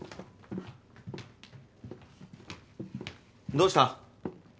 どうした？